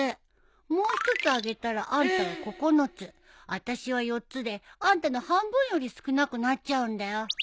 もう一つあげたらあんたは９つあたしは４つであんたの半分より少なくなっちゃうんだよ。